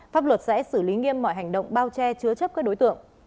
pháp luật sẽ xử lý nghiêm mọi hành động bao che chứa chấp các đối tượng